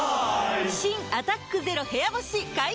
新「アタックＺＥＲＯ部屋干し」解禁‼